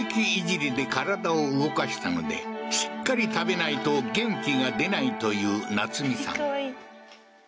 いじりで体を動かしたのでしっかり食べないと元気が出ないというなつみさん